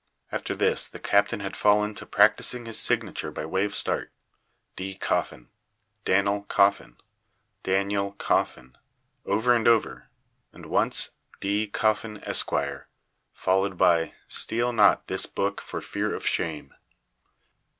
After this the captain had fallen to practising his signature by way of start. "D. Coffin," "Danl. Coffin," "Danyel Coffin," over and over, and once "D. Coffin, Esq.," followed by "Steal not this Book for fear of shame."